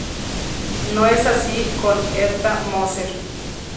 No es así con Edda Moser.